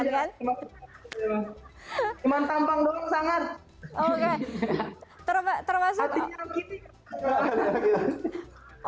terima kasih terima kasih terima kasih terima kasih terima kasih terima kasih terima kasih